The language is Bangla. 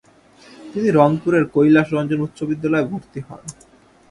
তিনি রংপুরের কৈলাস রঞ্জন উচ্চ বিদ্যালয়ে ভর্তি হন।